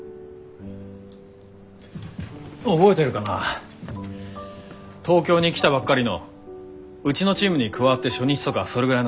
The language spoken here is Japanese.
覚えてるかな東京に来たばっかりのうちのチームに加わって初日とかそれぐらいの時。